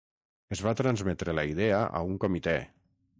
Es va transmetre la idea a un comitè.